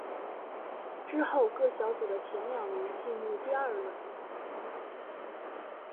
之后各小组的前两名进入第二轮。